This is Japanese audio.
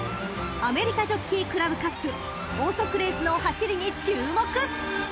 ［アメリカジョッキークラブカップオーソクレースの走りに注目！］